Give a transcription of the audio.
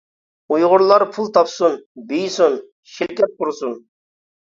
ئۇيغۇرلار پۇل تاپسۇن، بېيىسۇن، شىركەت قۇرۇسۇن.